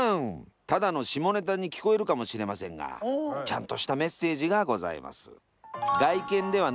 ただの下ネタに聞こえるかもしれませんがちゃんとしたメッセージがございます。